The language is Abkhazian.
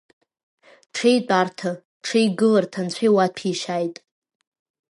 Ҽеи тәарҭа, ҽеи гыларҭа анцәа иуаҭәеи-шьааит!